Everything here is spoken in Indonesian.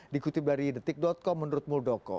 dikutip dari detik com menurut muldoko